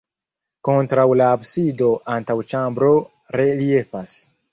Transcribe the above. Kontraŭ la absido antaŭĉambro reliefas.